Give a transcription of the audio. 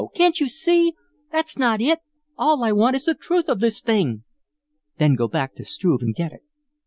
Can't you SEE? That's not it. All I want is the truth of this thing." "Then go back to Struve and get it.